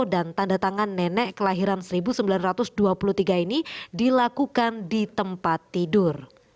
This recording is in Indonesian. dan tanda tangan nenek kelahiran seribu sembilan ratus dua puluh tiga ini dilakukan di tempat tidur